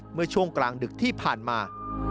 เมื่อช่วงกลางดึกที่ผ่านมา